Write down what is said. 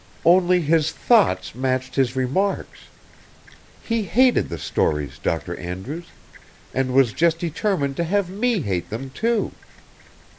Only his thoughts matched his remarks. He hated the stories, Dr. Andrews, and was just determined to have me hate them, too.